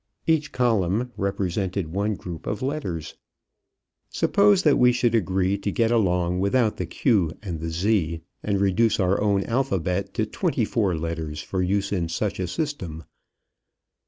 Each column represented one group of letters. Suppose that we should agree to get along without the Q and the Z and reduce our own alphabet to twenty four letters for use in such a system.